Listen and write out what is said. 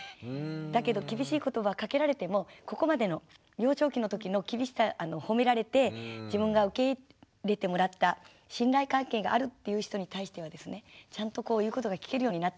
だけど厳しい言葉をかけられてもここまでの幼少期の時のほめられて自分が受け入れてもらった信頼関係があるっていう人に対してはですねちゃんと言うことが聞けるようになっていきますね。